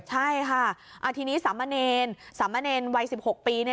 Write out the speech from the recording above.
ใช่ค่ะทีนี้สามเณรสามเณรวัย๑๖ปี